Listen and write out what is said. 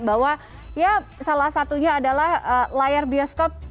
bahwa ya salah satunya adalah layar bioskop